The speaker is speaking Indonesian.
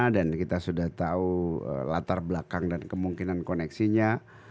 dan kita sudah tahu latar belakang dan kemungkinan koneksinya